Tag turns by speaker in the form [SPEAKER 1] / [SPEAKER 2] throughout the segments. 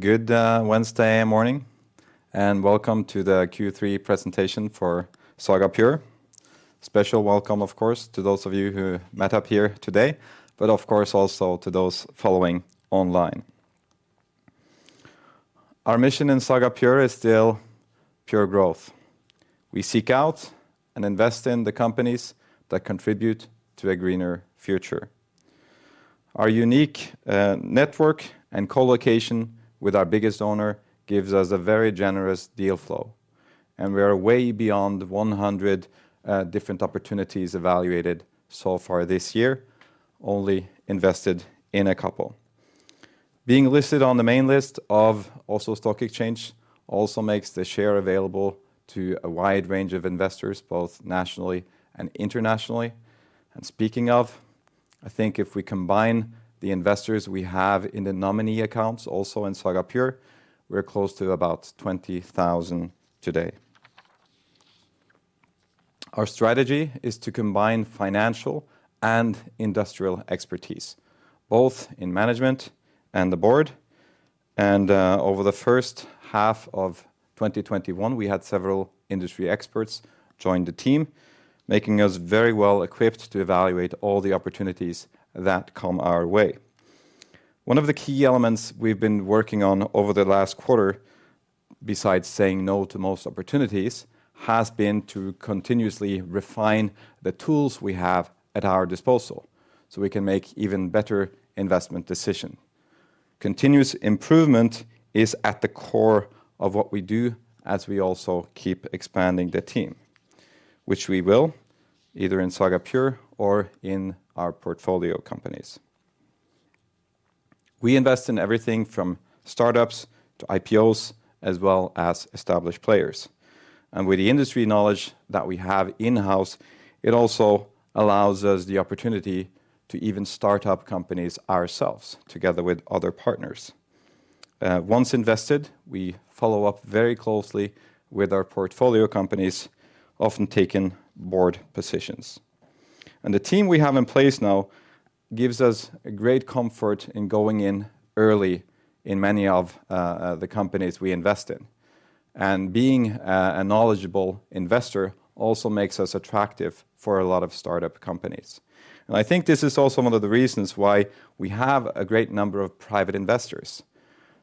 [SPEAKER 1] Good, Wednesday morning and welcome to the Q3 presentation for Saga Pure. Special welcome, of course, to those of you who met up here today, but of course also to those following online. Our mission in Saga Pure is still pure growth. We seek out and invest in the companies that contribute to a greener future. Our unique, network and co-location with our biggest owner gives us a very generous deal flow, and we are way beyond 100 different opportunities evaluated so far this year, only invested in a couple. Being listed on the main list of Oslo Stock Exchange also makes the share available to a wide range of investors, both nationally and internationally. Speaking of, I think if we combine the investors we have in the nominee accounts also in Saga Pure, we're close to about 20,000 today. Our strategy is to combine financial and industrial expertise, both in management and the board. Over the first half of 2021, we had several industry experts join the team, making us very well equipped to evaluate all the opportunities that come our way. One of the key elements we've been working on over the last quarter, besides saying no to most opportunities, has been to continuously refine the tools we have at our disposal, so we can make even better investment decision. Continuous improvement is at the core of what we do as we also keep expanding the team, which we will either in Saga Pure or in our portfolio companies. We invest in everything from startups, IPOs as well as established players. With the industry knowledge that we have in-house, it also allows us the opportunity to even start up companies ourselves together with other partners. Once invested, we follow up very closely with our portfolio companies, often taking board positions. The team we have in place now gives us a great comfort in going in early in many of the companies we invest in. Being a knowledgeable investor also makes us attractive for a lot of startup companies. I think this is also one of the reasons why we have a great number of private investors.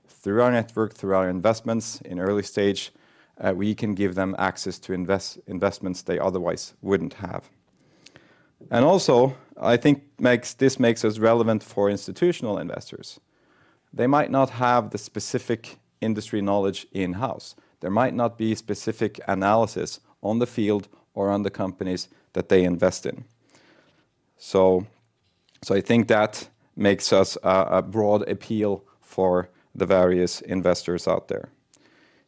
[SPEAKER 1] Through our network, through our investments in early stage, we can give them access to investments they otherwise wouldn't have. This makes us relevant for institutional investors. They might not have the specific industry knowledge in-house. There might not be specific analysis on the field or on the companies that they invest in. I think that makes us a broad appeal for the various investors out there.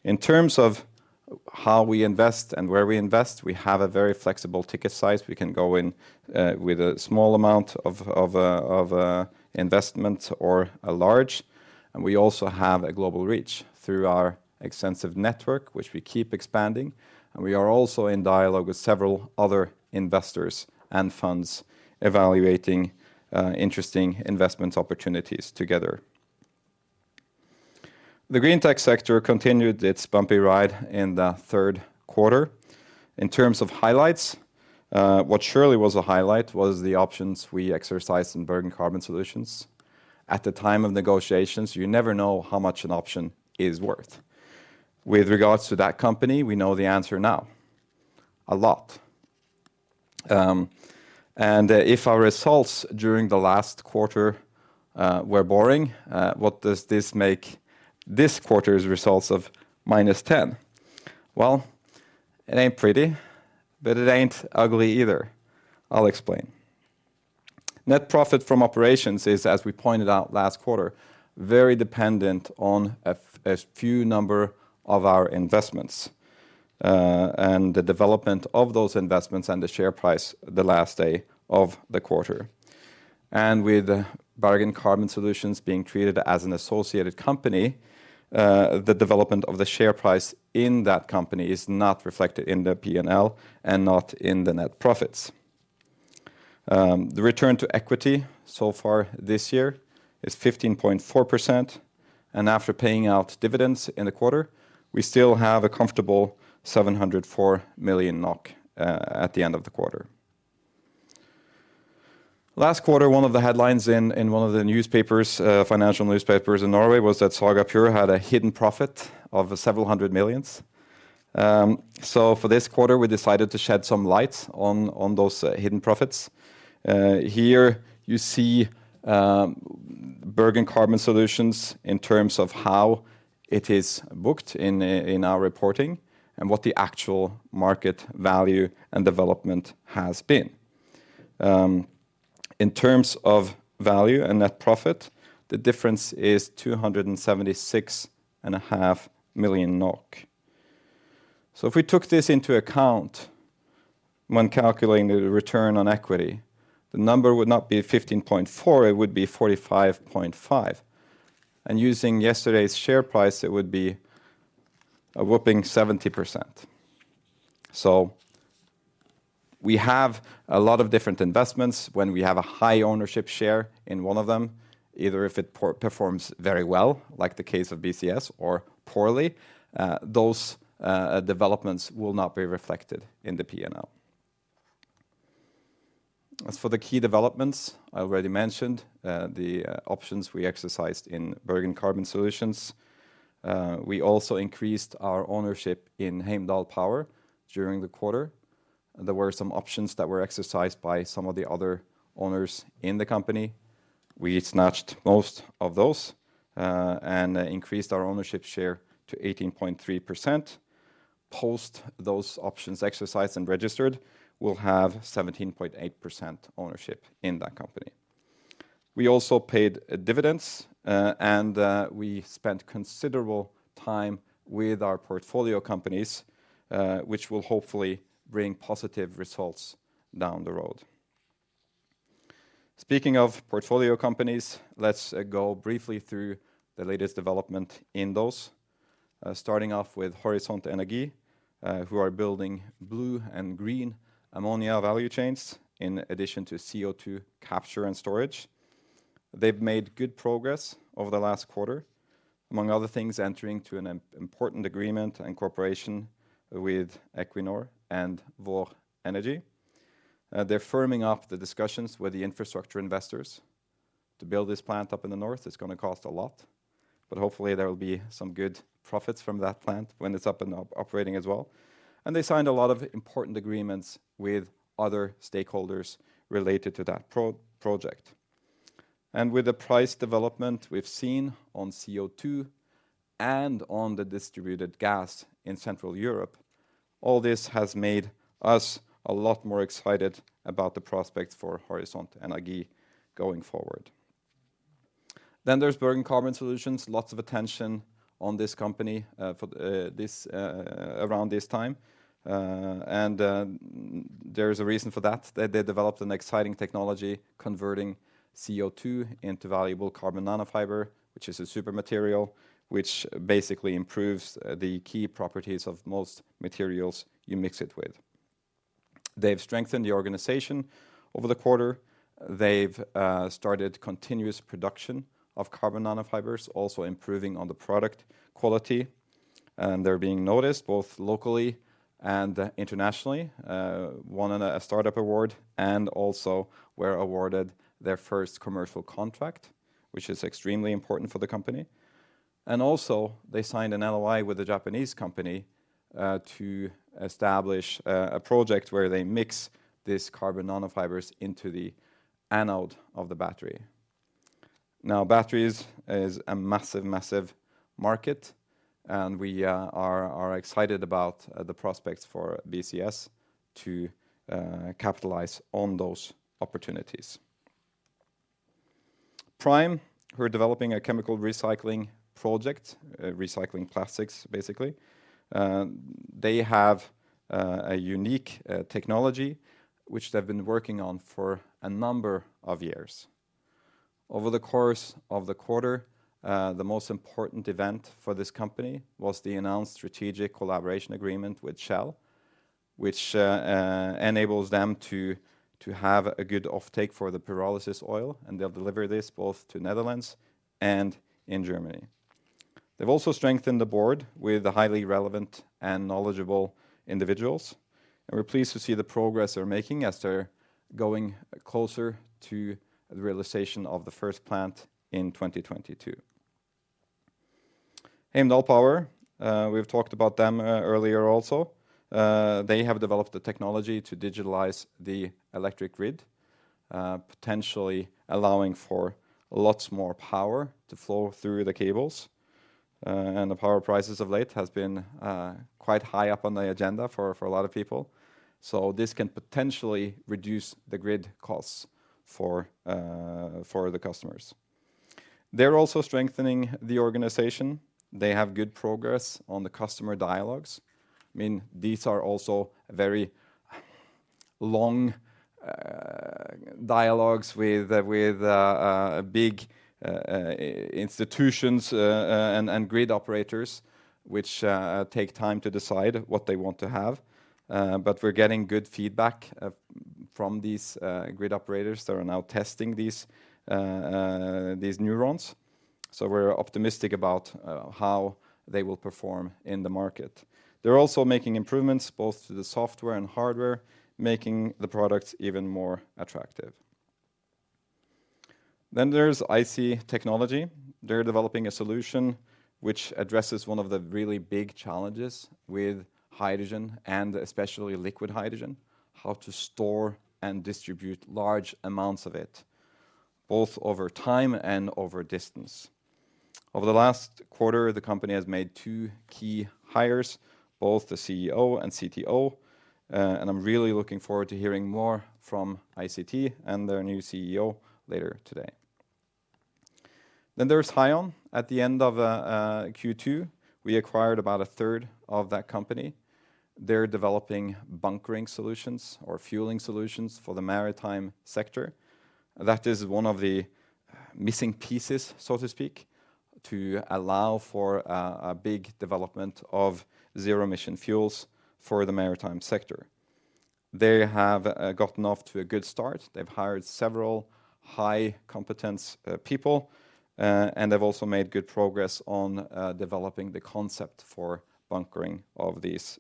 [SPEAKER 1] In terms of how we invest and where we invest, we have a very flexible ticket size. We can go in with a small amount of investment or a large, and we also have a global reach through our extensive network, which we keep expanding. We are also in dialogue with several other investors and funds evaluating interesting investment opportunities together. The green tech sector continued its bumpy ride in the third quarter. In terms of highlights, what surely was a highlight was the options we exercised in Bergen Carbon Solutions. At the time of negotiations, you never know how much an option is worth. With regards to that company, we know the answer now, a lot. If our results during the last quarter were boring, what does this make this quarter's results of -10? Well, it ain't pretty, but it ain't ugly either. I'll explain. Net profit from operations is, as we pointed out last quarter, very dependent on a few number of our investments, and the development of those investments and the share price the last day of the quarter. With Bergen Carbon Solutions being treated as an associated company, the development of the share price in that company is not reflected in the P&L and not in the net profits. The return on equity so far this year is 15.4%, and after paying out dividends in the quarter, we still have a comfortable 704 million NOK at the end of the quarter. Last quarter, one of the headlines in one of the financial newspapers in Norway was that Saga Pure had a hidden profit of several hundred millions. For this quarter, we decided to shed some light on those hidden profits. Here you see Bergen Carbon Solutions in terms of how it is booked in our reporting and what the actual market value and development has been. In terms of value and net profit, the difference is 276.5 million NOK. If we took this into account when calculating the return on equity, the number would not be 15.4, it would be 45.5. Using yesterday's share price, it would be a whopping 70%. We have a lot of different investments. When we have a high ownership share in one of them, either if it performs very well, like the case of BCS, or poorly, those developments will not be reflected in the P&L. As for the key developments, I already mentioned the options we exercised in Bergen Carbon Solutions. We also increased our ownership in Heimdall Power during the quarter. There were some options that were exercised by some of the other owners in the company. We snatched most of those and increased our ownership share to 18.3%. Post those options exercised and registered, we'll have 17.8% ownership in that company. We also paid dividends and we spent considerable time with our portfolio companies, which will hopefully bring positive results down the road. Speaking of portfolio companies, let's go briefly through the latest development in those. Starting off with Horisont Energi, who are building blue and green ammonia value chains in addition to CO2 capture and storage. They've made good progress over the last quarter, among other things, entering into an important agreement and cooperation with Equinor and Vår Energi. They're firming up the discussions with the infrastructure investors to build this plant up in the north. It's gonna cost a lot, but hopefully there will be some good profits from that plant when it's up and operating as well. They signed a lot of important agreements with other stakeholders related to that project. With the price development we've seen on CO2 and on the natural gas in Central Europe, all this has made us a lot more excited about the prospects for Horisont Energi going forward. There's Bergen Carbon Solutions. Lots of attention on this company around this time, and there's a reason for that. They developed an exciting technology converting CO2 into valuable carbon nanofiber, which is a super material, which basically improves the key properties of most materials you mix it with. They've strengthened the organization over the quarter. They've started continuous production of carbon nanofibers, also improving on the product quality, and they're being noticed both locally and internationally. They won a startup award and also were awarded their first commercial contract, which is extremely important for the company. They signed an LOI with a Japanese company to establish a project where they mix these carbon nanofibers into the anode of the battery. Batteries is a massive market, and we are excited about the prospects for BCS to capitalize on those opportunities. Pryme, who are developing a chemical recycling project, recycling plastics, basically, they have a unique technology which they've been working on for a number of years. Over the course of the quarter, the most important event for this company was the announced strategic collaboration agreement with Shell, which enables them to have a good offtake for the pyrolysis oil, and they'll deliver this both to Netherlands and in Germany. They've also strengthened the board with highly relevant and knowledgeable individuals, and we're pleased to see the progress they're making as they're going closer to the realization of the first plant in 2022. Heimdall Power, we've talked about them earlier also. They have developed the technology to digitalize the electric grid, potentially allowing for lots more power to flow through the cables. The power prices of late has been quite high up on the agenda for a lot of people, so this can potentially reduce the grid costs for the customers. They're also strengthening the organization. They have good progress on the customer dialogues. I mean, these are also very long dialogues with big institutions and grid operators which take time to decide what they want to have. We're getting good feedback from these grid operators that are now testing these Neurons. We're optimistic about how they will perform in the market. They're also making improvements both to the software and hardware, making the products even more attractive. There's IC Technology. They're developing a solution which addresses one of the really big challenges with hydrogen and especially liquid hydrogen, how to store and distribute large amounts of it, both over time and over distance. Over the last quarter, the company has made two key hires, both the CEO and CTO, and I'm really looking forward to hearing more from ICT and their new CEO later today. There's HYON. At the end of Q2, we acquired about a third of that company. They're developing bunkering solutions or fueling solutions for the maritime sector. That is one of the missing pieces, so to speak, to allow for a big development of zero emission fuels for the maritime sector. They have gotten off to a good start. They've hired several high competence people, and they've also made good progress on developing the concept for bunkering of these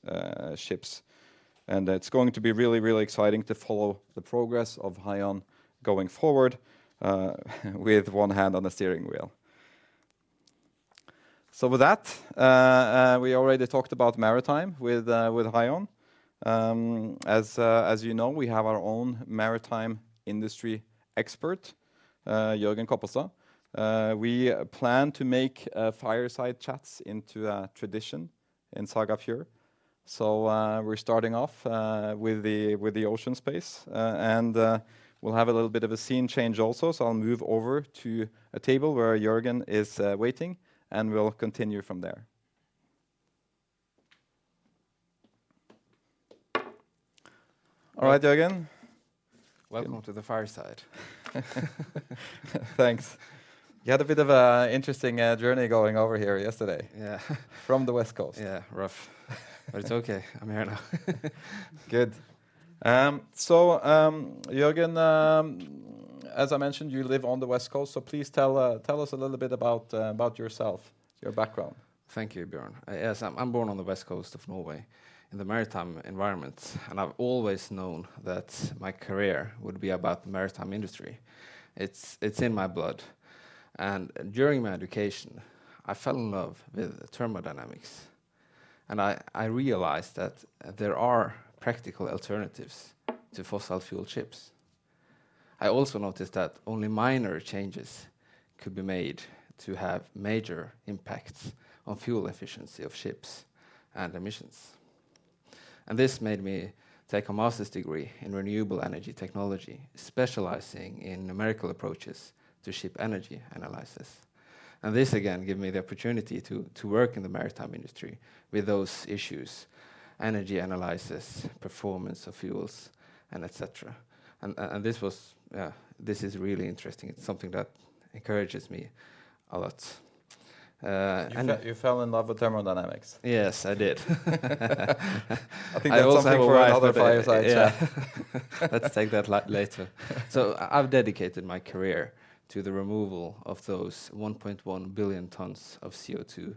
[SPEAKER 1] ships. It's going to be really exciting to follow the progress of HYON going forward, with one hand on the steering wheel. With that, we already talked about maritime with HYON. As you know, we have our own maritime industry expert, Jørgen Kopperstad. We plan to make fireside chats into a tradition in Saga Pure. We're starting off with the ocean space. We'll have a little bit of a scene change also, so I'll move over to a table where Jørgen is waiting, and we'll continue from there. All right, Jørgen, welcome to the fireside. You had a bit of a interesting journey going over here yesterday from the West Coast.
[SPEAKER 2] It's okay. I'm here now.
[SPEAKER 1] Good. Jørgen, as I mentioned, you live on the West Coast, so please tell us a little bit about yourself, your background.
[SPEAKER 2] Thank you, Bjørn. Yes, I'm born on the West Coast of Norway in the maritime environment, and I've always known that my career would be about the maritime industry. It's in my blood. During my education, I fell in love with thermodynamics, and I realized that there are practical alternatives to fossil fuel ships. I also noticed that only minor changes could be made to have major impacts on fuel efficiency of ships and emissions. This made me take a master's degree in renewable energy technology, specializing in numerical approaches to ship energy analysis. This again gave me the opportunity to work in the maritime industry with those issues, energy analysis, performance of fuels, and etc. This was, yeah, this is really interesting. It's something that encourages me a lot.
[SPEAKER 1] You fell in love with thermodynamics?
[SPEAKER 2] Yes, I did. Let's take that later. I've dedicated my career to the removal of those 1.1 billion tons of CO2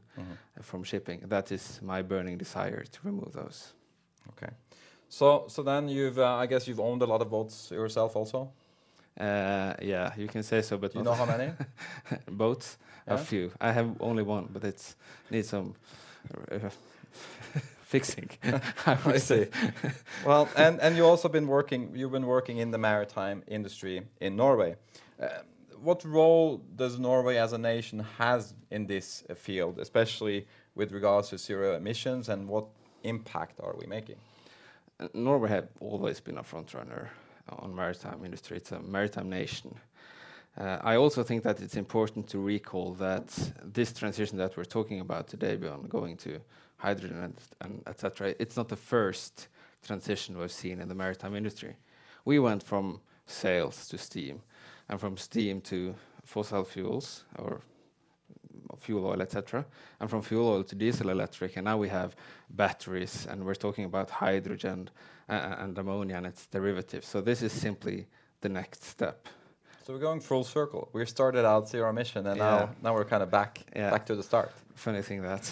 [SPEAKER 2] from shipping. That is my burning desire, to remove those.
[SPEAKER 1] Okay. I guess you've owned a lot of boats yourself also?
[SPEAKER 2] Yeah, you can say so, but.
[SPEAKER 1] You know how many?
[SPEAKER 2] Boats? A few. I have only one, but it needs some fixing.
[SPEAKER 1] I see. Well, you've also been working in the maritime industry in Norway. What role does Norway as a nation has in this field, especially with regards to zero emissions, and what impact are we making?
[SPEAKER 2] Norway have always been a front runner on maritime industry. It's a maritime nation. I also think that it's important to recall that this transition that we're talking about today beyond going to hydrogen and etc, it's not the first transition we've seen in the maritime industry. We went from sails to steam, and from steam to fossil fuels or fuel oil, etc, and from fuel oil to diesel electric, and now we have batteries, and we're talking about hydrogen and ammonia and its derivatives. This is simply the next step.
[SPEAKER 1] We're going full circle. We started out zero-emission and now we're kind of back to the start.
[SPEAKER 2] Funny thing that.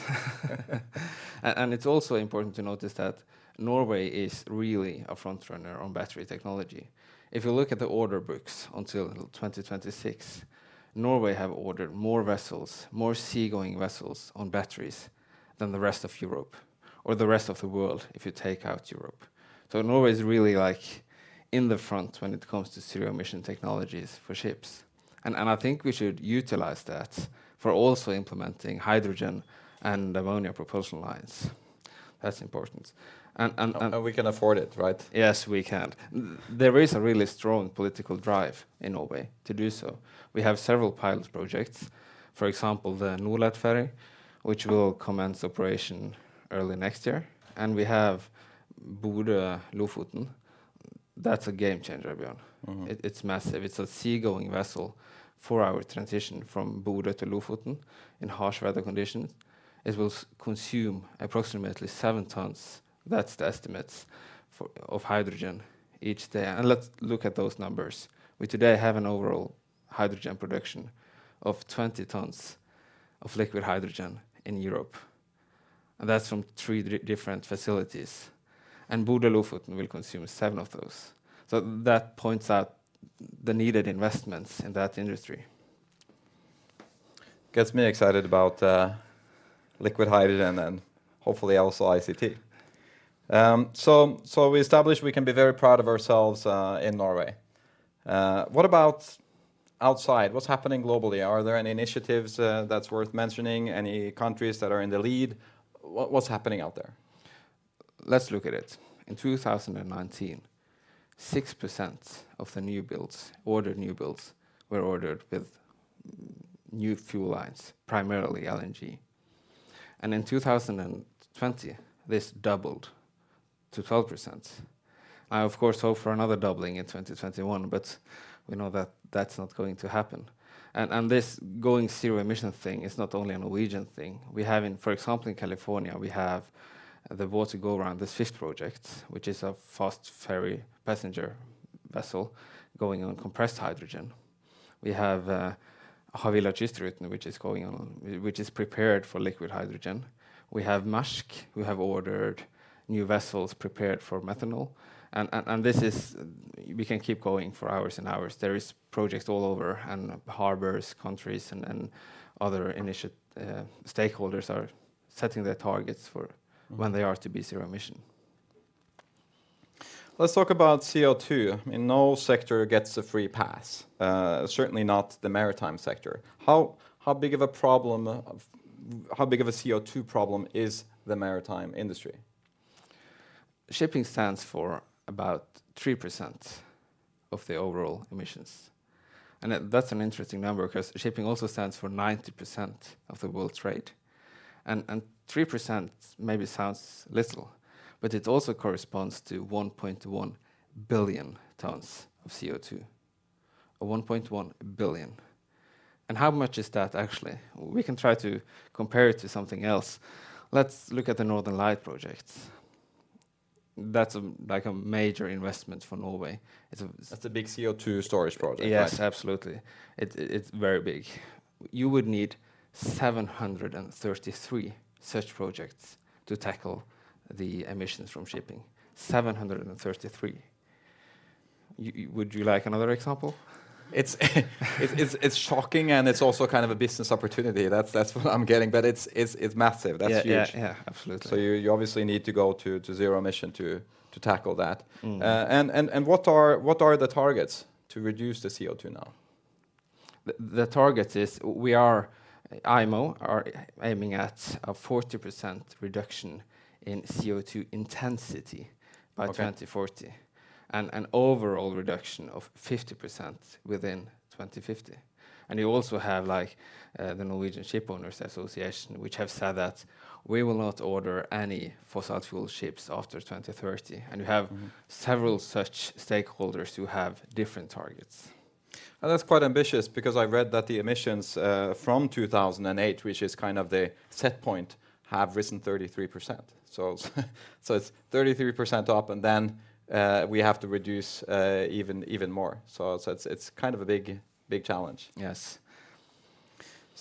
[SPEAKER 2] It's also important to notice that Norway is really a front-runner on battery technology. If you look at the order books until 2026, Norway have ordered more vessels, more seagoing vessels on batteries than the rest of Europe, or the rest of the world if you take out Europe. Norway is really, like, in the front when it comes to zero-emission technologies for ships and I think we should utilize that for also implementing hydrogen and ammonia propulsion lines. That's important
[SPEAKER 1] We can afford it, right?
[SPEAKER 2] Yes, we can. There is a really strong political drive in Norway to do so. We have several pilot projects. For example, the Norled ferry, which will commence operation early next year, and we have Bodø Lofoten. That's a game changer, Bjørn. It's massive. It's a seagoing vessel, four-hour transition from Bodø to Lofoten in harsh weather conditions. It will consume approximately seven tons, that's the estimates for, of hydrogen each day. Let's look at those numbers. We today have an overall hydrogen production of 20 tons of liquid hydrogen in Europe, and that's from three different facilities, and Bodø Lofoten will consume seven of those. That points out the needed investments in that industry.
[SPEAKER 1] Gets me excited about liquid hydrogen and hopefully also ICT. We established we can be very proud of ourselves in Norway. What about outside? What's happening globally? Are there any initiatives that's worth mentioning? Any countries that are in the lead? What's happening out there?
[SPEAKER 2] Let's look at it. In 2019, 6% of the new builds, ordered new builds, were ordered with new fuel lines, primarily LNG. In 2020, this doubled to 12%. I, of course, hope for another doubling in 2021, but we know that that's not going to happen. This going zero emission thing is not only a Norwegian thing. For example, in California, we have the Water-Go-Round project, which is a fast ferry passenger vessel going on compressed hydrogen. We have Havila Kystruten, which is prepared for liquid hydrogen. We have Maersk, who have ordered new vessels prepared for methanol. We can keep going for hours and hours. There is projects all over and harbors, countries and other stakeholders are setting their targets for when they are to be zero emission.
[SPEAKER 1] Let's talk about CO2. I mean, no sector gets a free pass, certainly not the maritime sector. How big of a CO2 problem is the maritime industry?
[SPEAKER 2] Shipping stands for about 3% of the overall emissions. That's an interesting number 'cause shipping also stands for 90% of the world trade. Three percent maybe sounds little, but it also corresponds to 1.1 billion tons of CO2, or 1.1 billion. How much is that actually? We can try to compare it to something else. Let's look at the Northern Lights projects. That's a major investment for Norway.
[SPEAKER 1] That's a big CO2 storage project, right?
[SPEAKER 2] Yes, absolutely. It's very big. You would need 733 such projects to tackle the emissions from shipping. 733. Would you like another example? It's shocking, and it's also kind of a business opportunity. That's what I'm getting. It's massive. That's huge.
[SPEAKER 1] Yeah, absolutely. You obviously need to go to zero emission to tackle that. What are the targets to reduce the CO2 now?
[SPEAKER 2] The target is IMO are aiming at a 40% reduction in CO2 intensity by 2040. An overall reduction of 50% within 2050. You also have, like, the Norwegian Shipowners' Association, which have said that we will not order any fossil fuel ships after 2030. You have several such stakeholders who have different targets.
[SPEAKER 1] Now, that's quite ambitious because I read that the emissions from 2008, which is kind of the set point, have risen 33%. It's 33% up, and then we have to reduce even more. It's kind of a big challenge.
[SPEAKER 2] Yes.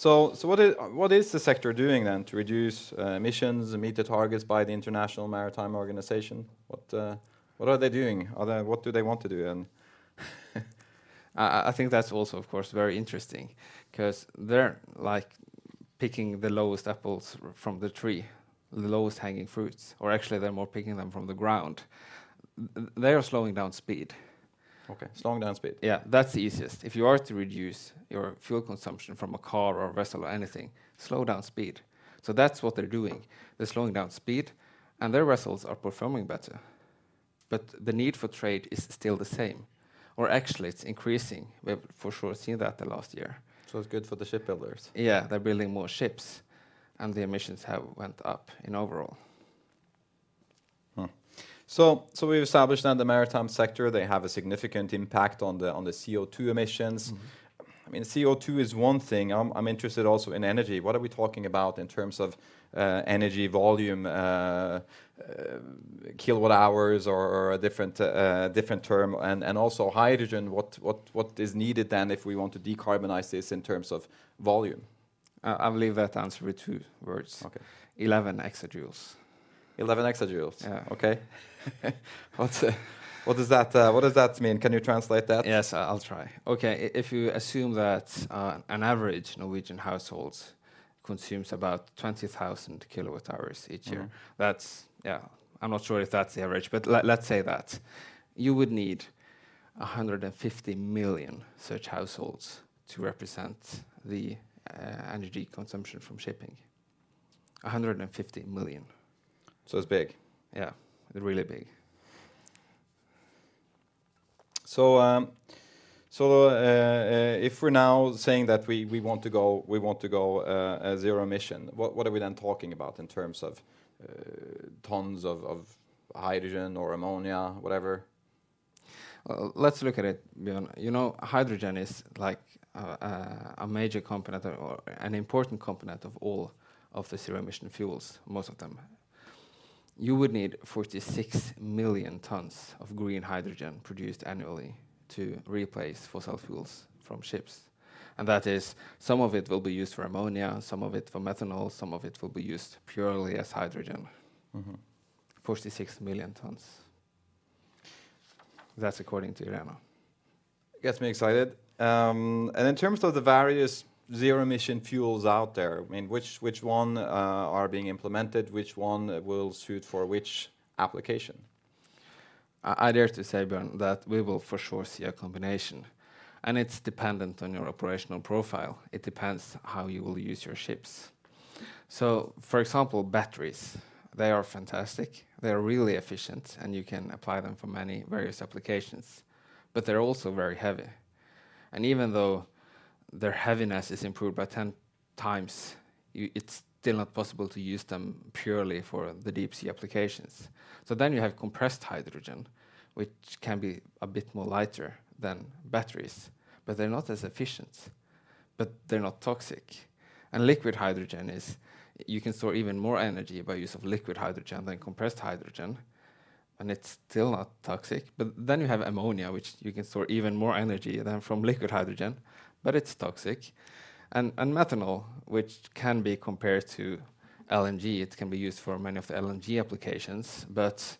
[SPEAKER 1] What is the sector doing then to reduce emissions and meet the targets by the International Maritime Organization? What are they doing? What do they want to do?
[SPEAKER 2] I think that's also, of course, very interesting 'cause they're, like, picking the lowest apples from the tree, the lowest hanging fruits, or actually they're more picking them from the ground. They are slowing down speed.
[SPEAKER 1] Slowing down speed?
[SPEAKER 2] Yeah. That's the easiest. If you are to reduce your fuel consumption from a car or a vessel or anything, slow down speed. That's what they're doing. They're slowing down speed, and their vessels are performing better. The need for trade is still the same, or actually it's increasing. We've for sure seen that the last year.
[SPEAKER 1] It's good for the shipbuilders.
[SPEAKER 2] Yeah. They're building more ships, and the emissions have went up in overall.
[SPEAKER 1] We've established that the maritime sector, they have a significant impact on the CO2 emissions. I mean, CO2 is one thing. I'm interested also in energy. What are we talking about in terms of energy volume, kilowatt hours or a different term? Also hydrogen, what is needed then if we want to decarbonize this in terms of volume?
[SPEAKER 2] I will leave that answer with two words, 11 exajoules.
[SPEAKER 1] 11 exajoules? What does that mean? Can you translate that?
[SPEAKER 2] Yes, I'll try. Okay. If you assume that, an average Norwegian household consumes about 20,000 kWh each year. That's, yeah, I'm not sure if that's the average, but let's say that. You would need 150 million such households to represent the energy consumption from shipping.
[SPEAKER 1] 150 Million, so it's big.
[SPEAKER 2] Yeah. Really big.
[SPEAKER 1] If we're now saying that we want to go zero-emission, what are we then talking about in terms of tons of hydrogen or ammonia, whatever?
[SPEAKER 2] Well, let's look at it, Bjørn. You know, hydrogen is like a major component or an important component of all of the zero emission fuels, most of them. You would need 46 million tons of green hydrogen produced annually to replace fossil fuels from ships. That is, some of it will be used for ammonia, and some of it for methanol, some of it will be used purely as hydrogen. 46 million tons. That's according to IRENA.
[SPEAKER 1] Gets me excited. In terms of the various zero emission fuels out there, I mean, which one are being implemented? Which one will suit for which application?
[SPEAKER 2] I dare to say, Bjørn, that we will for sure see a combination, and it's dependent on your operational profile. It depends how you will use your ships. For example, batteries, they are fantastic. They're really efficient, and you can apply them for many various applications, but they're also very heavy. Even though their heaviness is improved by 10x, you, it's still not possible to use them purely for the deep sea applications. You have compressed hydrogen, which can be a bit more lighter than batteries, but they're not as efficient. They're not toxic. Liquid hydrogen is, you can store even more energy by use of liquid hydrogen than compressed hydrogen, and it's still not toxic. You have ammonia, which you can store even more energy than from liquid hydrogen, but it's toxic. Methanol, which can be compared to LNG, it can be used for many of the LNG applications, but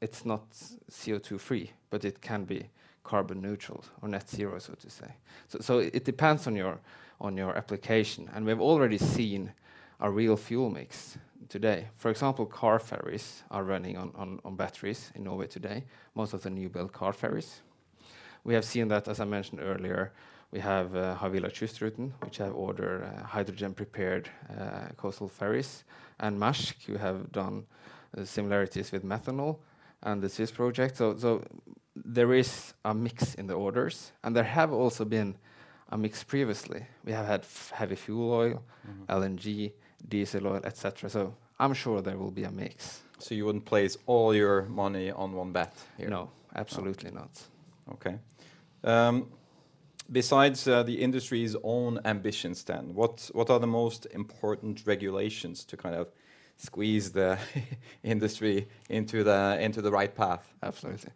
[SPEAKER 2] it's not CO2 free, but it can be carbon neutral or net zero, so to say. It depends on your application. We've already seen a real fuel mix today. For example, car ferries are running on batteries in Norway today, most of the new built car ferries. We have seen that, as I mentioned earlier, we have Havila Kystruten, which have ordered hydrogen-prepared coastal ferries, and Maersk who have done similarities with methanol and the Seas project. There is a mix in the orders and there have also been a mix previously. We have had heavy fuel oil, LNG, diesel oil, etc. I'm sure there will be a mix.
[SPEAKER 1] You wouldn't place all your money on one bet here?
[SPEAKER 2] No, absolutely not.
[SPEAKER 1] Okay. Besides, the industry's own ambitions stand, what are the most important regulations to kind of squeeze the industry into the right path?
[SPEAKER 2] Absolutely.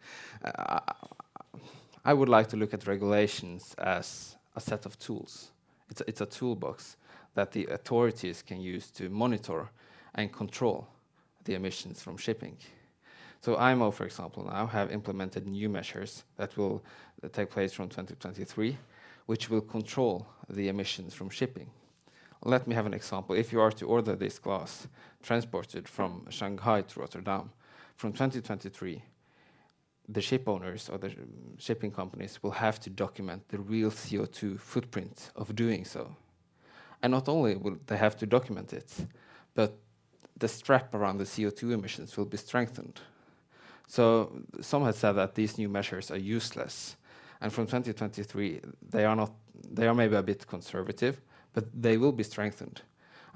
[SPEAKER 2] I would like to look at regulations as a set of tools. It's a toolbox that the authorities can use to monitor and control the emissions from shipping. IMO, for example, now have implemented new measures that will take place from 2023, which will control the emissions from shipping. Let me have an example. If you are to order this glass transported from Shanghai to Rotterdam, from 2023, the ship owners or the shipping companies will have to document the real CO2 footprint of doing so. Not only will they have to document it, but the cap around the CO2 emissions will be strengthened. Some have said that these new measures are useless, and from 2023, they are not, they are maybe a bit conservative, but they will be strengthened.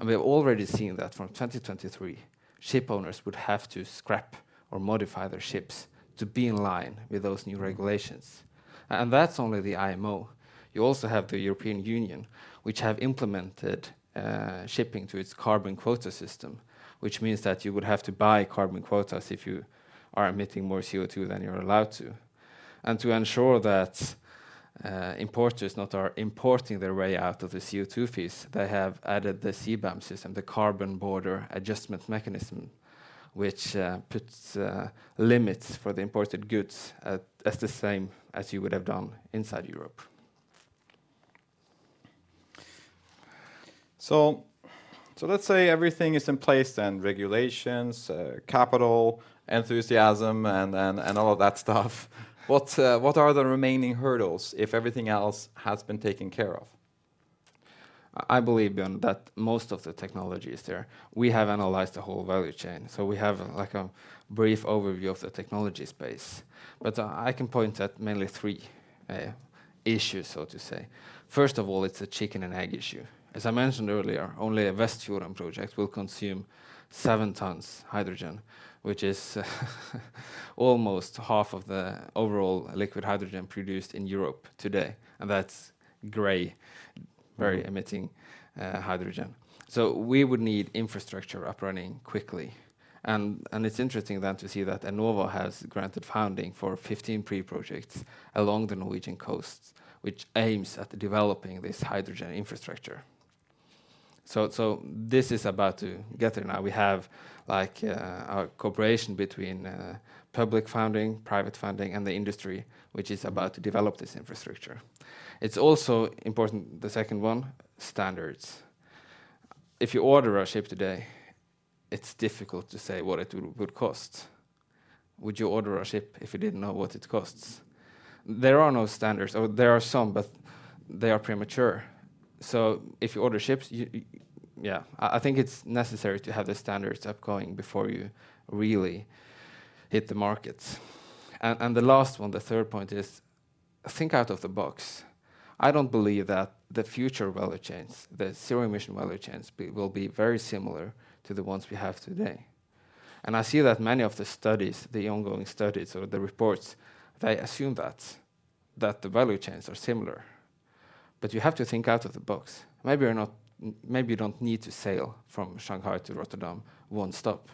[SPEAKER 2] We have already seen that from 2023, ship owners would have to scrap or modify their ships to be in line with those new regulations. That's only the IMO. You also have the European Union, which has implemented shipping into its Emissions Trading System, which means that you would have to buy carbon quotas if you are emitting more CO2 than you're allowed to. To ensure that importers not are importing their way out of the CO2 fees, they have added the CBAM system, the Carbon Border Adjustment Mechanism, which puts limits for the imported goods at the same as you would have done inside Europe.
[SPEAKER 1] Let's say everything is in place then, regulations, capital, enthusiasm, and all of that stuff. What are the remaining hurdles if everything else has been taken care of?
[SPEAKER 2] I believe then that most of the technology is there. We have analyzed the whole value chain, so we have like a brief overview of the technology space. I can point at mainly three issues, so to say. First of all, it's a chicken and egg issue. As I mentioned earlier, only a Vestfjorden project will consume seven tons of hydrogen, which is almost half of the overall liquid hydrogen produced in Europe today. That's gray, very emitting hydrogen. We would need infrastructure up and running quickly. It's interesting then to see that Enova has granted funding for 15 pre-projects along the Norwegian coasts, which aims at developing this hydrogen infrastructure. This is about to get there now. We have like a cooperation between public funding, private funding, and the industry, which is about to develop this infrastructure. It's also important, the second one, standards. If you order a ship today, it's difficult to say what it would cost. Would you order a ship if you didn't know what it costs? There are no standards, or there are some, but they are premature. If you order ships, I think it's necessary to have the standards up and going before you really hit the markets. The last one, the third point is, think out of the box. I don't believe that the future value chains, the zero emission value chains will be very similar to the ones we have today. I see that many of the studies, the ongoing studies or the reports, they assume that the value chains are similar. You have to think out of the box. Maybe you don't need to sail from Shanghai to Rotterdam, one stop.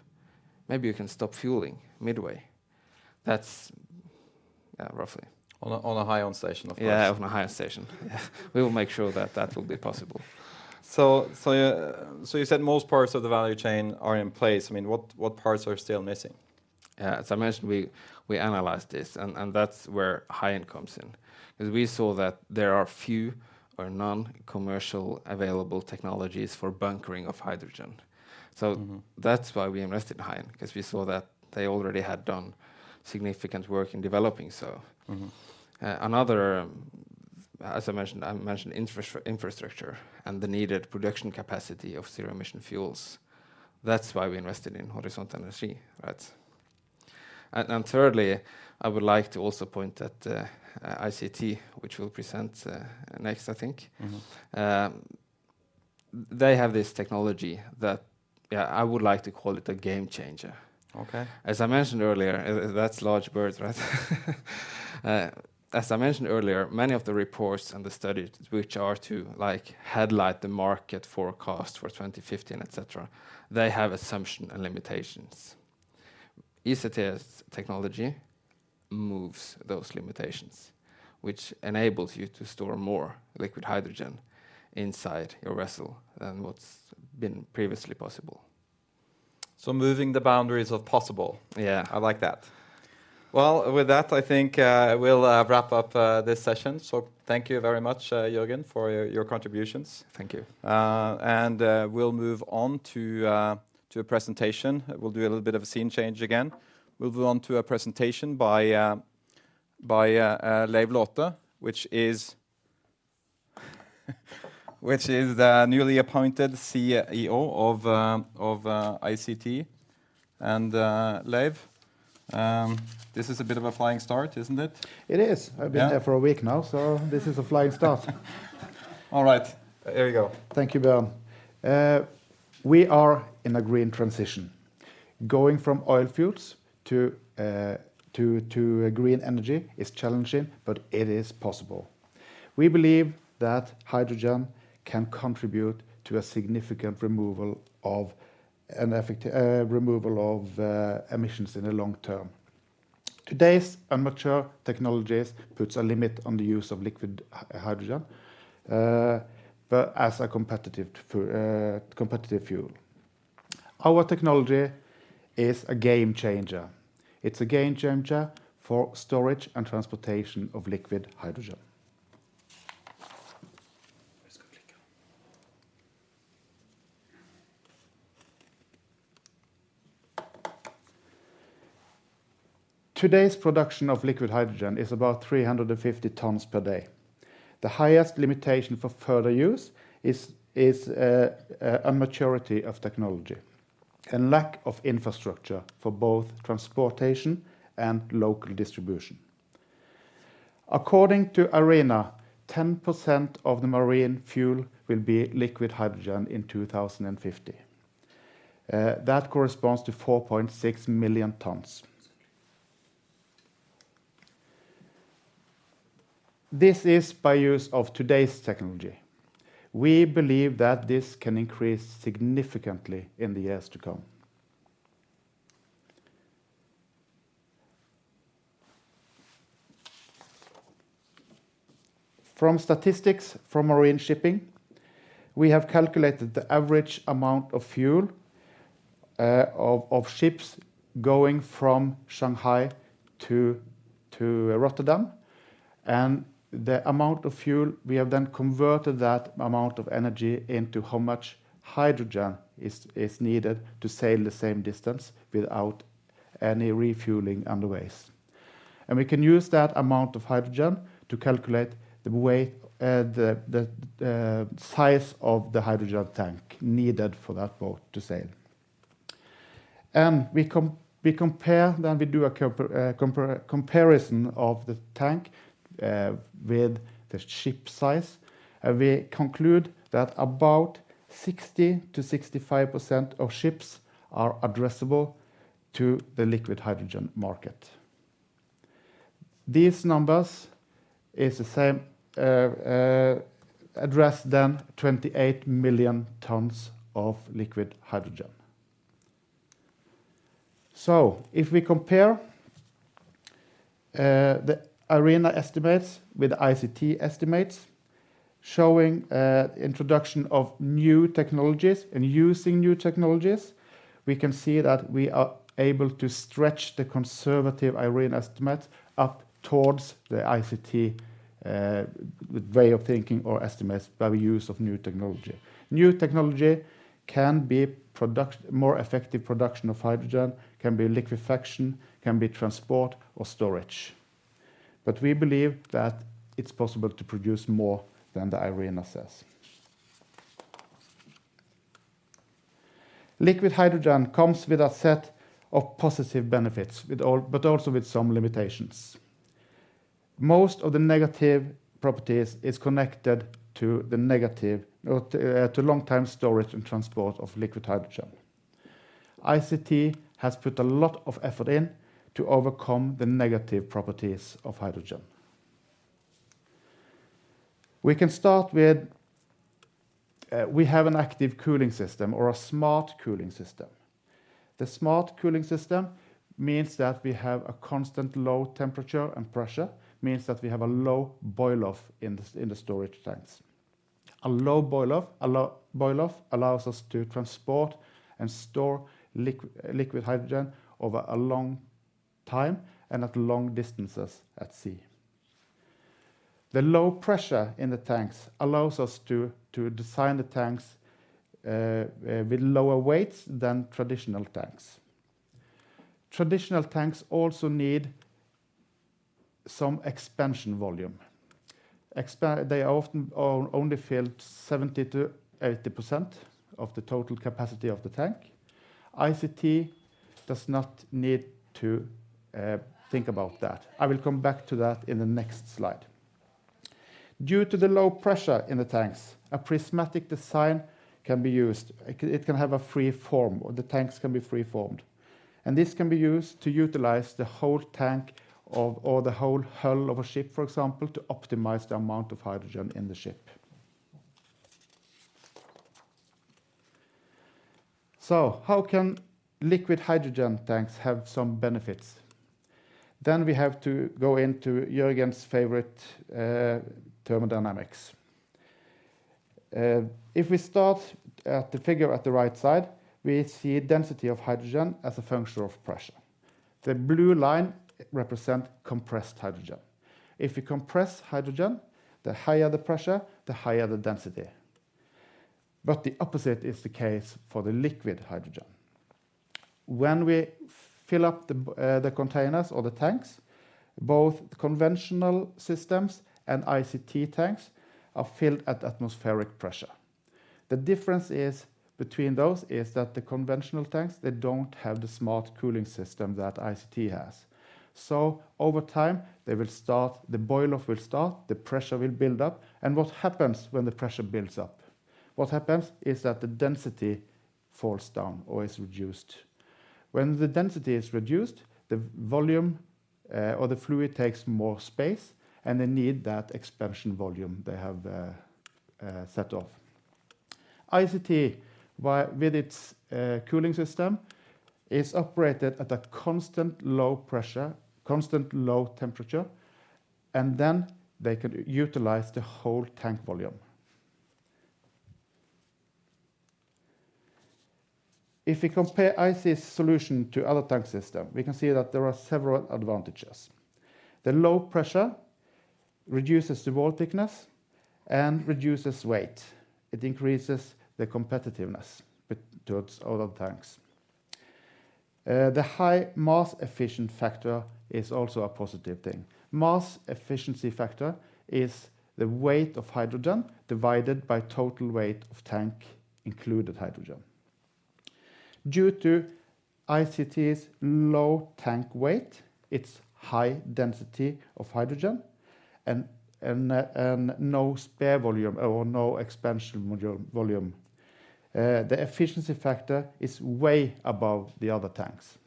[SPEAKER 2] Maybe you can stop fueling midway. That's, yeah, roughly.
[SPEAKER 1] On a high-end station, of course.
[SPEAKER 2] Yeah, on a high-end station. We will make sure that that will be possible.
[SPEAKER 1] You said most parts of the value chain are in place. I mean, what parts are still missing?
[SPEAKER 2] Yeah. As I mentioned, we analyzed this, and that's where HYON comes in, 'cause we saw that there are few or no commercially available technologies for bunkering of hydrogen. That's why we invested in HYON, 'cause we saw that they already had done significant work in developing so. As I mentioned, infrastructure and the needed production capacity of zero emission fuels. That's why we invested in Horisont Energi, right? Thirdly, I would like to also point at ICT, which we'll present next, I think. They have this technology that, yeah, I would like to call it a game changer. As I mentioned earlier, that's large words, right? As I mentioned earlier, many of the reports and the studies which are to, like, highlight the market forecast for 2015, etc, they have assumptions and limitations. ICT's technology moves those limitations, which enables you to store more liquid hydrogen inside your vessel than what's been previously possible.
[SPEAKER 1] Moving the boundaries of possible. I like that. Well, with that, I think we'll wrap up this session. Thank you very much, Jørgen, for your contributions.
[SPEAKER 2] Thank you.
[SPEAKER 1] We'll move on to a presentation. We'll do a little bit of a scene change again. We'll move on to a presentation by Leiv Låte, which is the newly appointed CEO of ICT. Leiv, this is a bit of a flying start, isn't it?
[SPEAKER 3] It is. I've been here for a week now, so this is a flying start.
[SPEAKER 1] All right. There you go.
[SPEAKER 3] Thank you, Bjørn. We are in a green transition. Going from oil fuels to green energy is challenging, but it is possible. We believe that hydrogen can contribute to a significant removal of emissions in the long term. Today's immature technologies puts a limit on the use of liquid hydrogen, as a competitive fuel. Our technology is a game changer. It's a game changer for storage and transportation of liquid hydrogen. Today's production of liquid hydrogen is about 350 tons per day. The highest limitation for further use is immaturity of technology and lack of infrastructure for both transportation and local distribution. According to IRENA, 10% of the marine fuel will be liquid hydrogen in 2050. That corresponds to 4.6 million tons. This is by use of today's technology. We believe that this can increase significantly in the years to come. From statistics from marine shipping, we have calculated the average amount of fuel of ships going from Shanghai to Rotterdam. The amount of fuel, we have then converted that amount of energy into how much hydrogen is needed to sail the same distance without any refueling on the ways. We can use that amount of hydrogen to calculate the weight, the size of the hydrogen tank needed for that boat to sail. We compare, then we do a comparison of the tank with the ship size. We conclude that about 60%-65% of ships are addressable to the liquid hydrogen market. These numbers is the same as 28 million tons of liquid hydrogen. If we compare the Enova estimates with ICT estimates showing introduction of new technologies and using new technologies, we can see that we are able to stretch the conservative Enova estimates up towards the ICT way of thinking or estimates by the use of new technology. New technology can be more effective production of hydrogen, can be liquefaction, can be transport or storage. We believe that it's possible to produce more than the IRENA says. Liquid hydrogen comes with a set of positive benefits with all but also with some limitations. Most of the negative properties is connected to the negative or to long-term storage and transport of liquid hydrogen. ICT has put a lot of effort into overcome the negative properties of hydrogen. We can start with we have an active cooling system or a smart cooling system. The smart cooling system means that we have a constant low temperature and pressure, means that we have a low boil-off in the storage tanks. A low boil-off allows us to transport and store liquid hydrogen over a long time and at long distances at sea. The low pressure in the tanks allows us to design the tanks with lower weights than traditional tanks. Traditional tanks also need some expansion volume. They are often only filled 70%-80% of the total capacity of the tank. ICT does not need to think about that. I will come back to that in the next slide. Due to the low pressure in the tanks, a prismatic design can be used. It can have a free form, or the tanks can be free-formed, and this can be used to utilize the whole tank or the whole hull of a ship, for example, to optimize the amount of hydrogen in the ship. How can liquid hydrogen tanks have some benefits? We have to go into Jørgen's favorite thermodynamics. If we start at the figure at the right side, we see density of hydrogen as a function of pressure. The blue line represent compressed hydrogen. If you compress hydrogen, the higher the pressure, the higher the density. The opposite is the case for the liquid hydrogen. When we fill up the containers or the tanks, both conventional systems and ICT tanks are filled at atmospheric pressure. The difference between those is that the conventional tanks, they don't have the smart cooling system that ICT has. Over time, they will start the boil-off will start, the pressure will build up. What happens when the pressure builds up? What happens is that the density falls down or is reduced. When the density is reduced, the volume or the fluid takes more space, and they need that expansion volume they have set off. ICT, with its cooling system, is operated at a constant low pressure, constant low temperature, and then they can utilize the whole tank volume. If we compare ICT's solution to other tank system, we can see that there are several advantages. The low pressure reduces the wall thickness and reduces weight. It increases the competitiveness towards other tanks. The high mass efficiency factor is also a positive thing. Mass efficiency factor is the weight of hydrogen divided by total weight of tank, including hydrogen. Due to ICT's low tank weight, its high density of hydrogen and no spare volume or no expansion volume, the efficiency factor is way above the other tanks.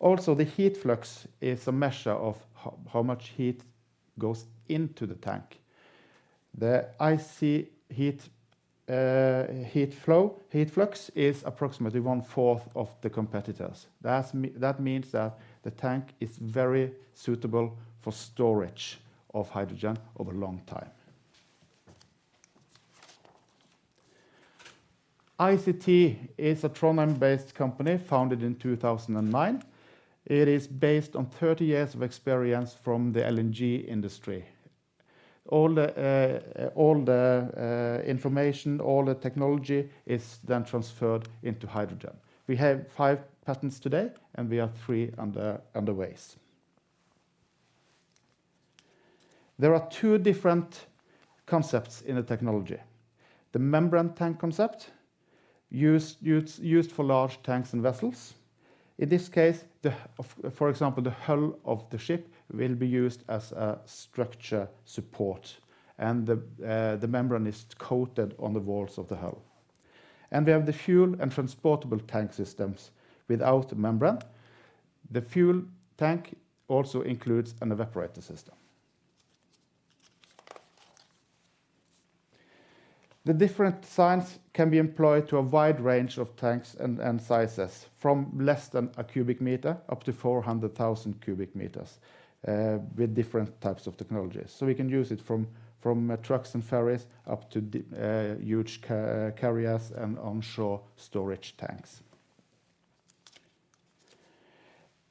[SPEAKER 3] The heat flux is a measure of how much heat goes into the tank. The ICT heat flux is approximately one-fourth of the competitors. That means that the tank is very suitable for storage of hydrogen over long time. ICT is a Trondheim-based company founded in 2009. It is based on 30 years of experience from the LNG industry. All the information, all the technology is then transferred into hydrogen. We have five patents today, and we have three under way. There are two different concepts in the technology. The membrane tank concept used for large tanks and vessels. In this case, for example, the hull of the ship will be used as a structure support, and the membrane is coated on the walls of the hull. We have the fuel and transportable tank systems without membrane. The fuel tank also includes an evaporator system. The different signs can be employed to a wide range of tanks and sizes from less than a cubic meter up to 400,000 cubic meters with different types of technologies. We can use it from trucks and ferries up to the huge car carriers and onshore storage tanks.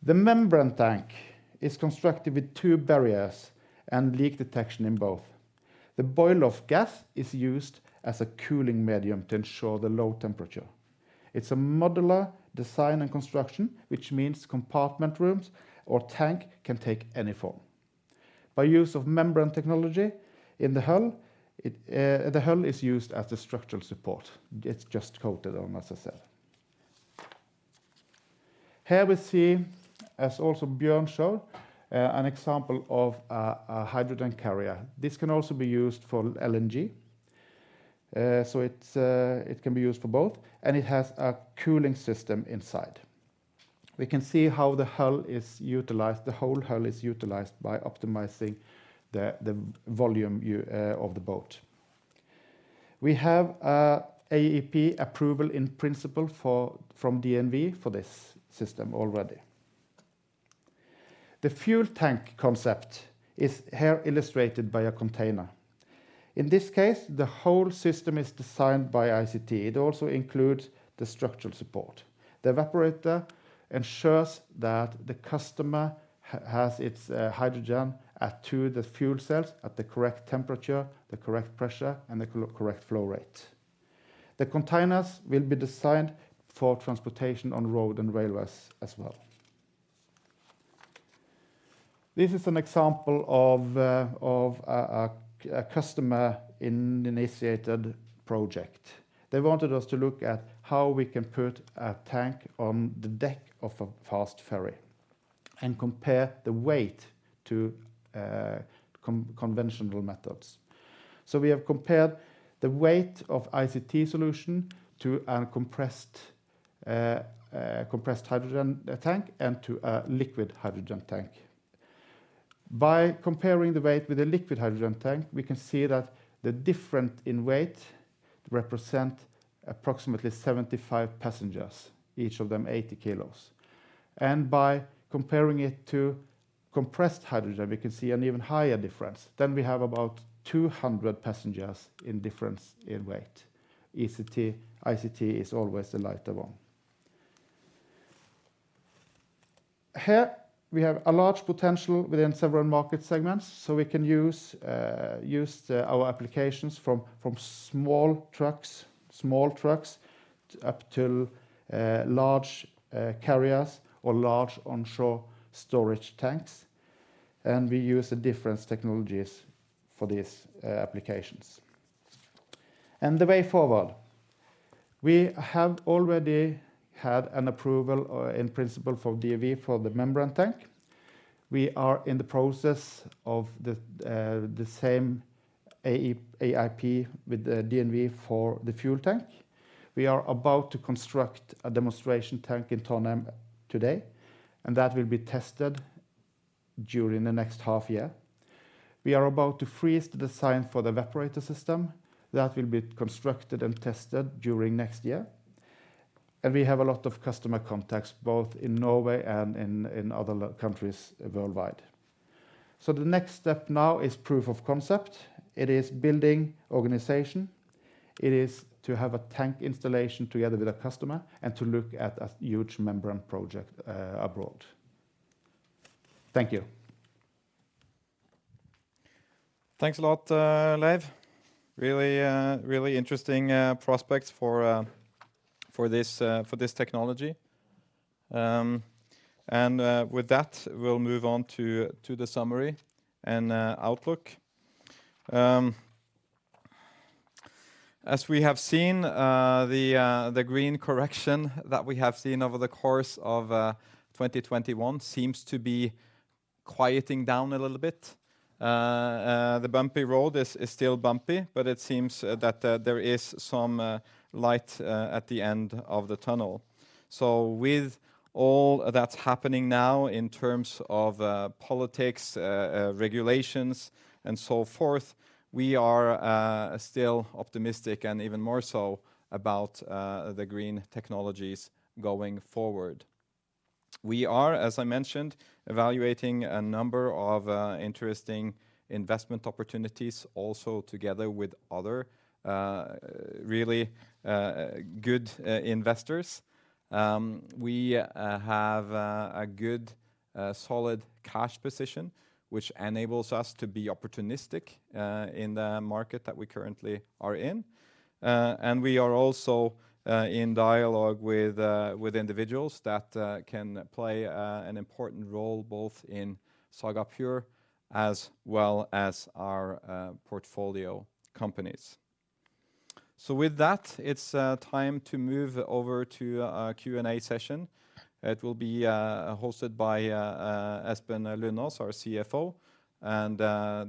[SPEAKER 3] The membrane tank is constructed with two barriers and leak detection in both. The boil-off gas is used as a cooling medium to ensure the low temperature. It's a modular design and construction, which means compartment rooms or tank can take any form. By use of membrane technology in the hull, the hull is used as the structural support. It's just coated on, as I said. Here we see, as also Bjørn showed, an example of a hydrogen carrier. This can also be used for LNG. It can be used for both, and it has a cooling system inside. We can see how the hull is utilized. The whole hull is utilized by optimizing the volume of the boat. We have AiP approval in principle from DNV for this system already. The fuel tank concept is here illustrated by a container. In this case, the whole system is designed by ICT. It also includes the structural support. The evaporator ensures that the customer has its hydrogen at to the fuel cells at the correct temperature, the correct pressure, and the correct flow rate. The containers will be designed for transportation on road and railways as well. This is an example of a customer initiated project. They wanted us to look at how we can put a tank on the deck of a fast ferry and compare the weight to conventional methods. We have compared the weight of ICT solution to compressed hydrogen tank and to a liquid hydrogen tank. By comparing the weight with a liquid hydrogen tank, we can see that the difference in weight represent approximately 75 passengers, each of them 80 kg. By comparing it to compressed hydrogen, we can see an even higher difference. We have about 200 passengers in difference in weight. ICT is always the lighter one. Here we have a large potential within several market segments, so we can use our applications from small trucks up to large carriers or large onshore storage tanks, and we use different technologies for these applications. The way forward. We have already had an approval in principle for DNV for the membrane tank. We are in the process of the same AIP with the DNV for the fuel tank. We are about to construct a demonstration tank in Trondheim today, and that will be tested during the next half year. We are about to freeze the design for the evaporator system. That will be constructed and tested during next year. We have a lot of customer contacts, both in Norway and in other countries worldwide. The next step now is proof of concept. It is building organization. It is to have a tank installation together with a customer and to look at a huge membrane project, abroad. Thank you.
[SPEAKER 1] Thanks a lot, Leiv. Really interesting prospects for this technology. With that, we'll move on to the summary and outlook. As we have seen, the green correction that we have seen over the course of 2021 seems to be quieting down a little bit. The bumpy road is still bumpy, but it seems that there is some light at the end of the tunnel. With all that's happening now in terms of politics, regulations, and so forth, we are still optimistic, and even more so about the green technologies going forward. We are, as I mentioned, evaluating a number of interesting investment opportunities also together with other really good investors. We have a good solid cash position, which enables us to be opportunistic in the market that we currently are in. We are also in dialogue with individuals that can play an important role both in Saga Pure as well as our portfolio companies. With that, it's time to move over to our Q&A session. It will be hosted by Espen Lundaas, our CFO, and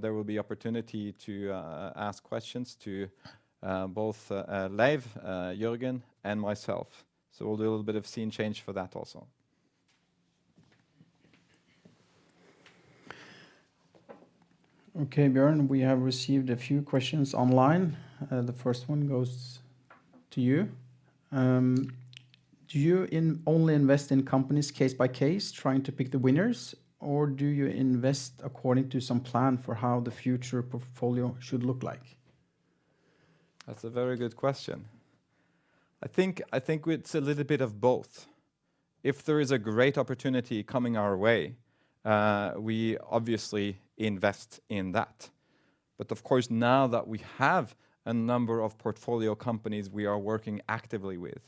[SPEAKER 1] there will be opportunity to ask questions to both Leiv, Jørgen, and myself. We'll do a little bit of scene change for that also.
[SPEAKER 4] Okay, Bjørn, we have received a few questions online. The first one goes to you. Do you only invest in companies case by case trying to pick the winners, or do you invest according to some plan for how the future portfolio should look like?
[SPEAKER 1] That's a very good question. I think it's a little bit of both. If there is a great opportunity coming our way, we obviously invest in that. Of course, now that we have a number of portfolio companies we are working actively with,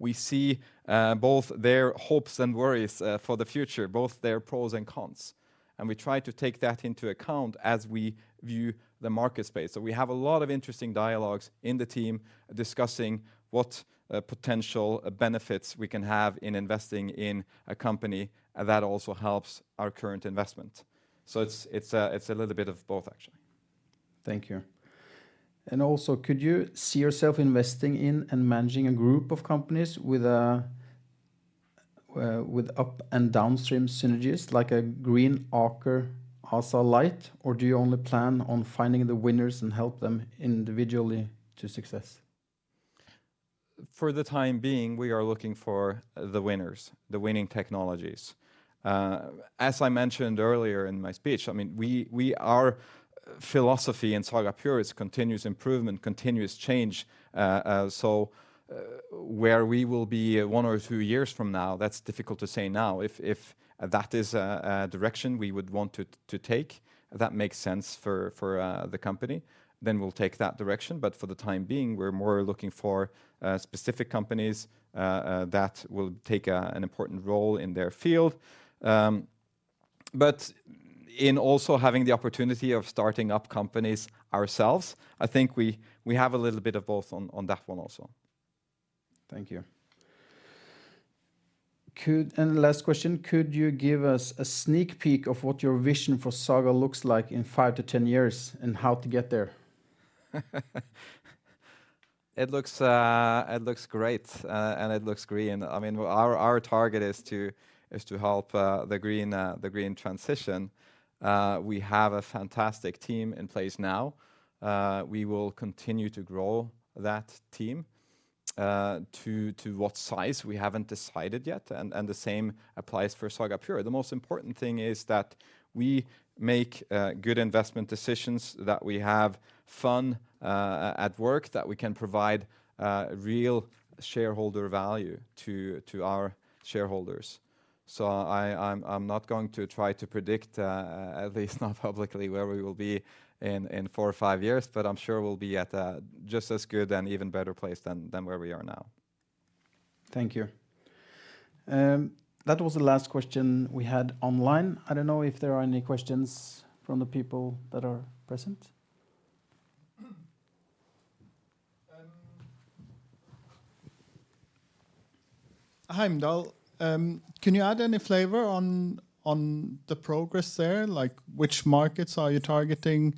[SPEAKER 1] we see both their hopes and worries for the future, both their pros and cons, and we try to take that into account as we view the market space. We have a lot of interesting dialogues in the team discussing what potential benefits we can have in investing in a company that also helps our current investment. It's a little bit of both, actually.
[SPEAKER 4] Thank you. Could you see yourself investing in and managing a group of companies with up- and downstream synergies like a green Aker ASA-like, or do you only plan on finding the winners and help them individually to success?
[SPEAKER 1] For the time being, we are looking for the winners, the winning technologies. As I mentioned earlier in my speech, I mean, our philosophy in Saga Pure is continuous improvement, continuous change. Where we will be one or two years from now, that's difficult to say now. If that is a direction we would want to take, if that makes sense for the company, then we'll take that direction. For the time being, we're more looking for specific companies that will take an important role in their field. In also having the opportunity of starting up companies ourselves, I think we have a little bit of both on that one also.
[SPEAKER 4] Thank you. Last question: Could you give us a sneak peek of what your vision for Saga looks like in five years-10 years, and how to get there?
[SPEAKER 1] It looks great, and it looks green. I mean, our target is to help the green transition. We have a fantastic team in place now. We will continue to grow that team to what size we haven't decided yet, and the same applies for Saga Pure. The most important thing is that we make good investment decisions, that we have fun at work, that we can provide real shareholder value to our shareholders. I'm not going to try to predict, at least not publicly, where we will be in four or five years, but I'm sure we'll be at a just as good and even better place than where we are now.
[SPEAKER 4] Thank you. That was the last question we had online. I don't know if there are any questions from the people that are present.
[SPEAKER 5] Heimdall, can you add any flavor on the progress there? Like which markets are you targeting?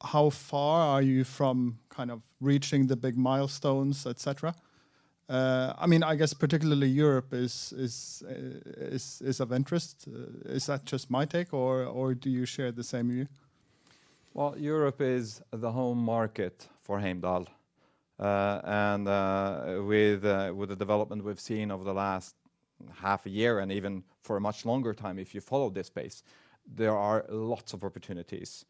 [SPEAKER 5] How far are you from kind of reaching the big milestones, etc? I mean, I guess particularly Europe is of interest. Is that just my take or do you share the same view?
[SPEAKER 1] Well, Europe is the home market for Heimdall. With the development we've seen over the last half a year, and even for a much longer time if you follow this space, there are lots of opportunities.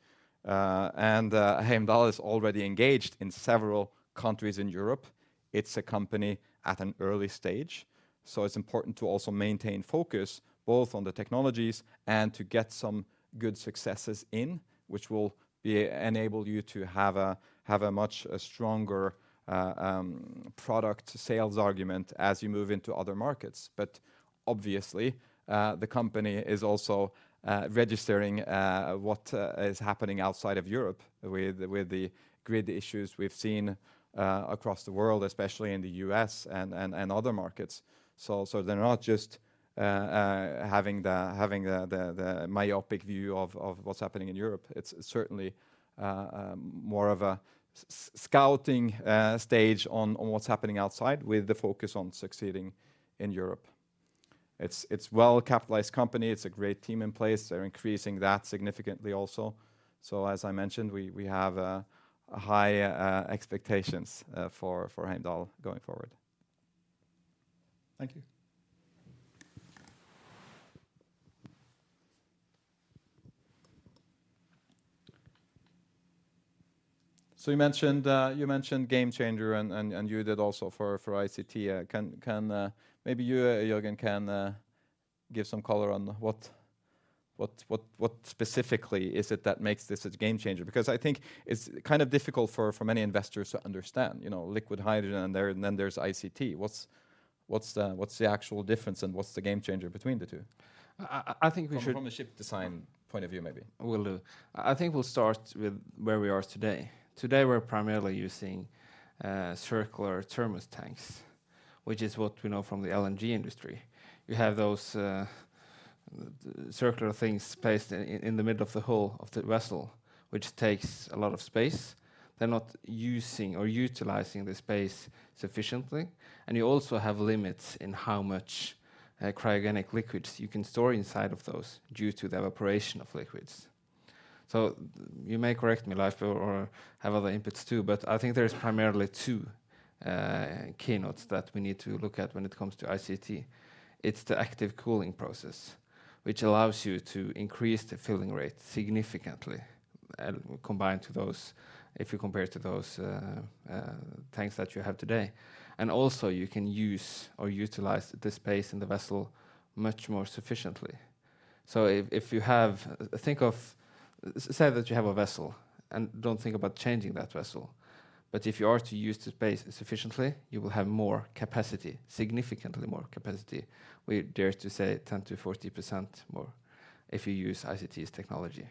[SPEAKER 1] Heimdall is already engaged in several countries in Europe. It's a company at an early stage, so it's important to also maintain focus both on the technologies and to get some good successes in, which will enable you to have a much stronger product sales argument as you move into other markets. Obviously, the company is also registering what is happening outside of Europe with the grid issues we've seen across the world, especially in the U.S. and other markets. They're not just having the myopic view of what's happening in Europe. It's certainly more of a scouting stage on what's happening outside with the focus on succeeding in Europe. It's a well-capitalized company. It's a great team in place. They're increasing that significantly also. As I mentioned, we have high expectations for Heimdall going forward.
[SPEAKER 5] Thank you.
[SPEAKER 1] You mentioned game changer and you did also for ICT. Can maybe you Jørgen can give some color on what specifically is it that makes this a game changer? Because I think it's kind of difficult for many investors to understand, you know, liquid hydrogen and then there's ICT. What's the actual difference and what's the game changer between the two? From a ship design point of view maybe.
[SPEAKER 2] Will do. I think we'll start with where we are today. Today, we're primarily using circular thermos tanks, which is what we know from the LNG industry. You have those circular things placed in the middle of the hull of the vessel, which takes a lot of space. They're not using or utilizing the space sufficiently, and you also have limits in how much cryogenic liquids you can store inside of those due to the evaporation of liquids. You may correct me, Leiv, or have other inputs too, but I think there is primarily two keynotes that we need to look at when it comes to ICT. It's the active cooling process, which allows you to increase the filling rate significantly, compared to those tanks that you have today. You can use or utilize the space in the vessel much more sufficiently. If you have a vessel, and don't think about changing that vessel, but if you are to use the space sufficiently, you will have more capacity, significantly more capacity. We dare to say 10%-40% more if you use ICT's technology.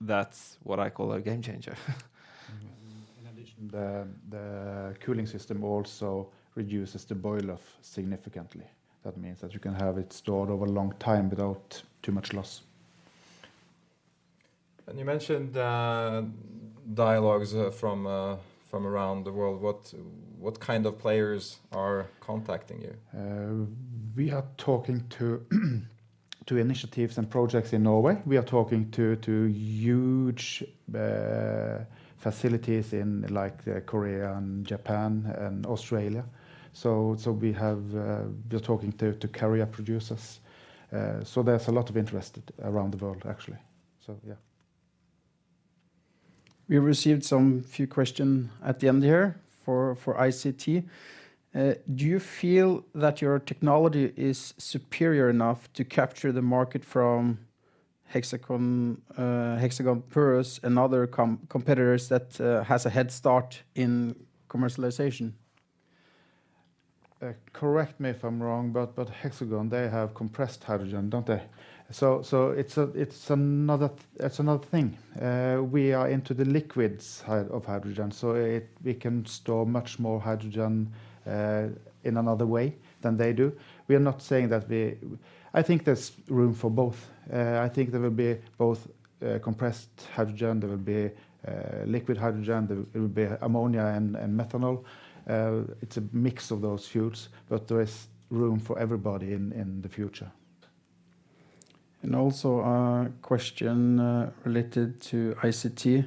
[SPEAKER 2] That's what I call a game changer. In addition, the cooling system also reduces the boil-off significantly. That means that you can have it stored over a long time without too much loss.
[SPEAKER 1] You mentioned dialogues from around the world. What kind of players are contacting you?
[SPEAKER 2] We are talking to initiatives and projects in Norway. We are talking to huge facilities in like Korea and Japan and Australia. We're talking to carrier producers. There's a lot of interest around the world actually. Yeah.
[SPEAKER 4] We received some few questions at the end here for ICT. Do you feel that your technology is superior enough to capture the market from Hexagon Purus and other competitors that has a head start in commercialization?
[SPEAKER 3] Correct me if I'm wrong, but Hexagon, they have compressed hydrogen, don't they? It's another thing. We are into the liquid hydrogen, so we can store much more hydrogen in another way than they do. We are not saying that. I think there's room for both. I think there will be both compressed hydrogen, there will be liquid hydrogen, there will be ammonia and methanol. It's a mix of those fuels, but there is room for everybody in the future.
[SPEAKER 4] Also a question, related to ICT.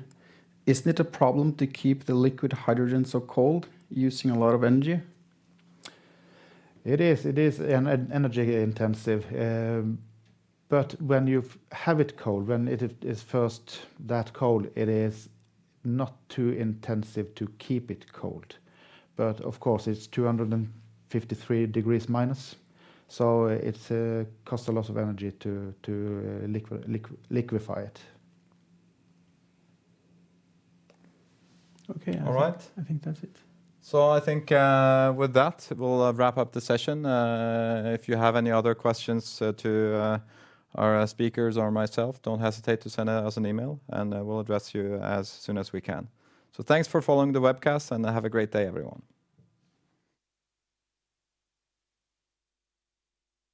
[SPEAKER 4] Isn't it a problem to keep the liquid hydrogen so cold using a lot of energy?
[SPEAKER 3] It is. It is an energy intensive. When you have it cold, when it is first that cold, it is not too intensive to keep it cold. Of course it's -253 degrees, so it costs a lot of energy to liquefy it. Okay. I think that's it.
[SPEAKER 4] I think, with that, we'll wrap up the session. If you have any other questions to our speakers or myself, don't hesitate to send us an email, and we'll address you as soon as we can. Thanks for following the webcast, and have a great day, everyone.